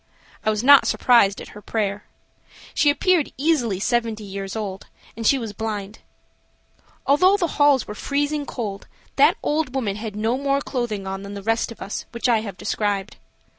I was not surprised at her prayer. She appeared easily seventy years old, and she was blind. Although the halls were freezing cold, that old woman had no more clothing on than the rest of us, which I have described.